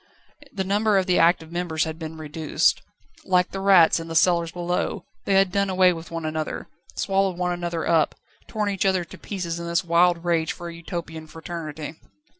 The number of the active members had been reduced. Like the rats in the cellars below, they had done away with one another, swallowed one another up, torn each other to pieces in this wild rage for a Utopian fraternity.